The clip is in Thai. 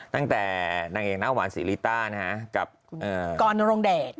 ตั้งแต่นางเอกนางหวานสีริต้ากับกอนนักโรงแดด